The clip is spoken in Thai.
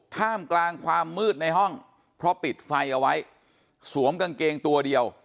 ท่ามกลางความมืดในห้องเพราะปิดไฟเอาไว้สวมกางเกงตัวเดียว